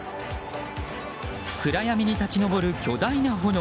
暗闇に立ち上る巨大な炎。